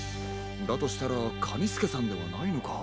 だとしたらカニスケさんではないのか。